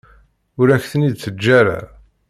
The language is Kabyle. Ur ak-ten-id-teǧǧa ara.